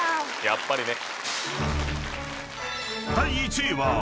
やっぱりね。